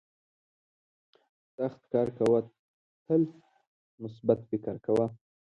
سخت کار کوه تل مثبت فکر کوه.